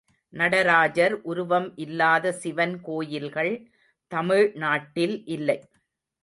நடராஜர் உருவம் இல்லாத சிவன் கோயில்கள் தமிழ்நாட்டில் இல்லை.